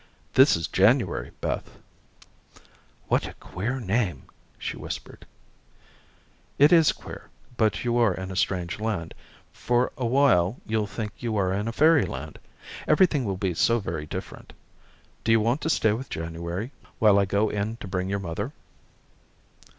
"This is January, Beth." "What a very queer name," she whispered. "It is queer, but you are in a strange land. For awhile you'll think you are in fairy land. Everything will be so different. Do you want to stay with January while I go in to bring your mother?"